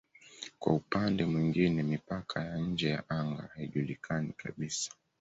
Kwa upande mwingine mipaka ya nje ya anga haijulikani kabisa.